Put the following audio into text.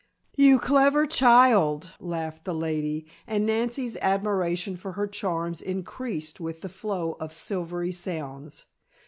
"You clever child!" laughed the lady, and Nancy's admiration for her charms increased with the flow of silvery sounds.